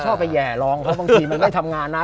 เข้าไปแห่รองเพราะบางทีมันไม่ทำงานนะ